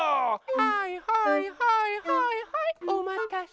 はいはいはいはいはいおまたせ。